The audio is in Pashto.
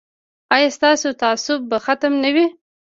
ایا ستاسو تعصب به ختم نه وي؟